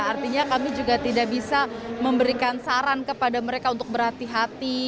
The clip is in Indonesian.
artinya kami juga tidak bisa memberikan saran kepada mereka untuk berhati hati